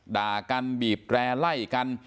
ด่ากันบีบแร่ไล่กัน